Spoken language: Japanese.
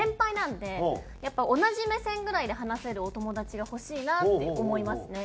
やっぱ同じ目線ぐらいで話せるお友達が欲しいなって思いますね。